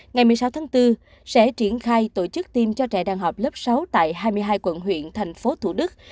ngày một mươi sáu tháng bốn sẽ triển khai tổ chức tiêm cho trẻ đang họp lớp sáu tại hai mươi hai quận huyện thành phố thủ đức